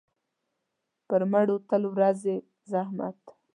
پر مړو تل ورځي زحمت.